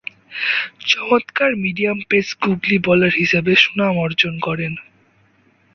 চমৎকার medium-pace googly bowler হিসেবে সুনাম অর্জন করেন।